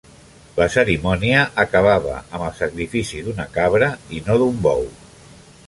La cerimònia acabava amb el sacrifici d'una cabra i no d'un bou.